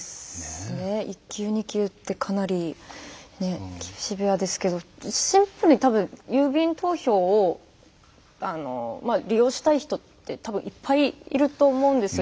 １級２級ってかなりシビアですけどシンプルに多分郵便投票を利用したい人って多分いっぱいいると思うんですよ。